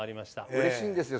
うれしいんですよ